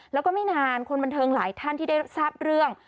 แล้วก็ไม่นานคนบันเทิงหลายท่านที่ได้ทราบเรื่อง